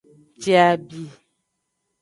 Je abi.